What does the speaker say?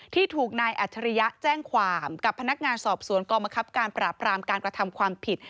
ที่ถูกนายอัจฉริยะแจ้งความกับพนักงานสอบสวนกองบังคับการปราบรามการกระทำความผิด